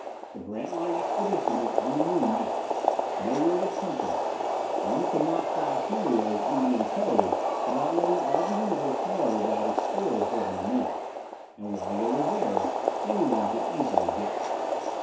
The Grantline Expedition was on the Moon now. No word had come from it. One could not flash helios even in code without letting all the universe know that explorers were on the Moon. And why they were there, anyone could easily guess.